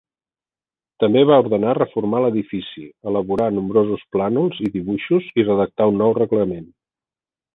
També va ordenar reformar l'edifici, elaborà nombrosos plànols i dibuixos i redactà un nou reglament.